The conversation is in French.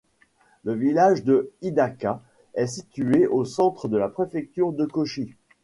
Le village de Hidaka est situé au centre de la préfecture de Kōchi.